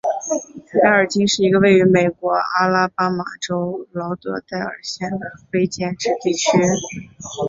埃尔金是一个位于美国阿拉巴马州劳德代尔县的非建制地区。